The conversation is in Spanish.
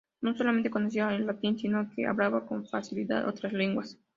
No solamente conocía el latín sino que hablaba con facilidad otras lenguas.